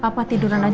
papa tiduran aja